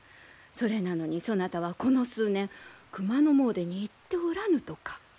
それなのにそなたはこの数年熊野詣でに行っておらぬとか。